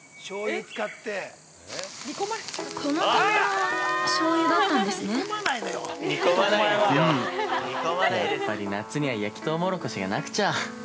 やっぱり夏には焼きとうもろこしがなくちゃ。